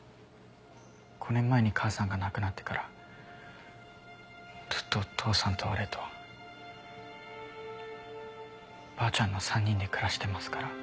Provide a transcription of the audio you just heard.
５年前に母さんが亡くなってからずっと父さんと俺とばあちゃんの３人で暮らしてますから。